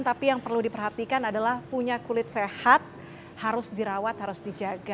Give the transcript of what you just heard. tapi yang perlu diperhatikan adalah punya kulit sehat harus dirawat harus dijaga